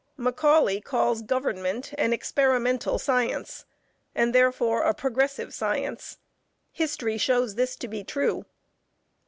Macauley calls government an experimental science and therefore a progressive science; history shows this to be true.